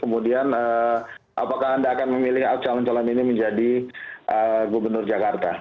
kemudian apakah anda akan memilih calon calon ini menjadi gubernur jakarta